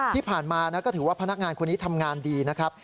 ที่ผ่านมาก็ถือว่าพนักงานคนนี้ทำงานดีนะครับ